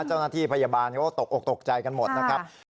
เจ้าหน้าที่พยาบาลเขาก็ตกออกตกใจกันหมดนะครับ